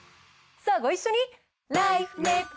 さぁご一緒に！